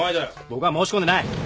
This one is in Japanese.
僕は申し込んでない。